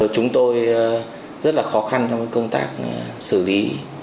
chúng tôi rất là khó khăn trong công tác xử lý